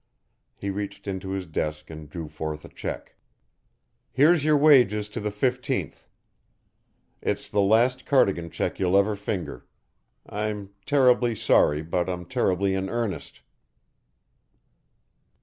He reached into his desk and drew forth a check. "Here's your wages to the fifteenth. It's the last Cardigan check you'll ever finger. I'm terribly sorry, but I'm terribly in earnest."